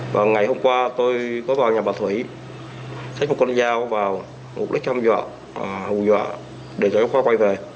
và ngày hôm qua tôi có vào nhà bà thủy xách một con dao vào mục đích hâm dọa hù dọa để trịnh khoa quay về